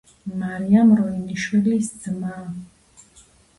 მარიამ როინიშვილის ძმა.